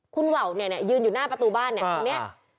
คุณวาวเนี่ยยืนอยู่หน้าประตูบ้านนี่